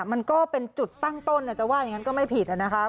มันก็เป็นจุดตั้งต้นจะว่าอย่างนั้นก็ไม่ผิดนะครับ